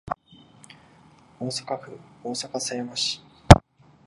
大阪府大阪狭山市